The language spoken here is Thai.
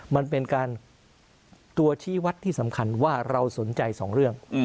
มันเป็นการตัวชี้วัดที่สำคัญว่าเราสนใจสองเรื่อง